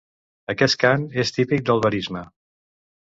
Aquest cant és típic del verisme.